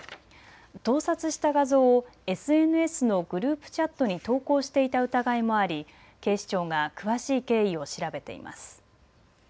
盗撮した画像をＳＮＳのグループチャットに投稿していた疑いもあり警視庁が詳しい経緯を調べています。